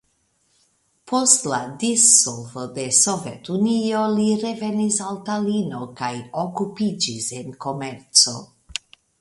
Post la dissolvo de Sovetunio li revenis al Talino kaj okupiĝis en komerco.